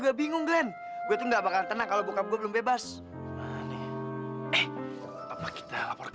gue tuh ngedeketinin supaya lo bubaran semua pikir